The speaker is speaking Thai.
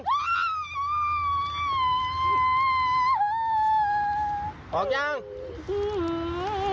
พี่เอ็มโอ๊ยมันลุก